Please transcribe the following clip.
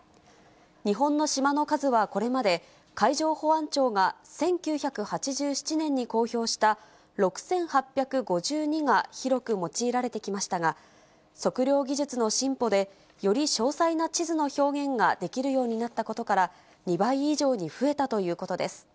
日本の島の数はこれまで、海上保安庁が１９８７年に公表した、６８５２が広く用いられてきましたが、測量技術の進歩で、より詳細な地図の表現ができるようになったことから、２倍以上に増えたということです。